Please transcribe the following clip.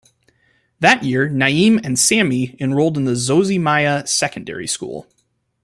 That year Naim and Sami enrolled in the Zosimaia secondary school.